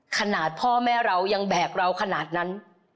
ขนาดพ่อแม่เรายังแบกเราขนาดนั้น